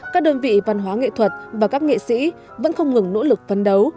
các đơn vị văn hóa nghệ thuật và các nghệ sĩ vẫn không ngừng nỗ lực phấn đấu